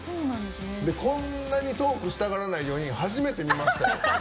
こんなにトークしたがらない４人初めて見ましたよ。